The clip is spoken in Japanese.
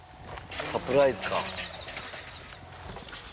サプライズか。